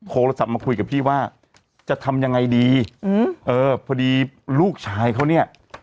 โทรศัพท์มาคุยกับพี่ว่าจะทำยังไงดีอืมเออพอดีลูกชายเขาเนี่ย